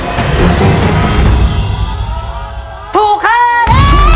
แล้ววันนี้ผมมีสิ่งหนึ่งนะครับเป็นตัวแทนกำลังใจจากผมเล็กน้อยครับ